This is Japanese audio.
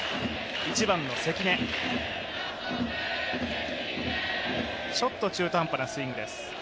１番の関根、ちょっと中途半端なスイングです。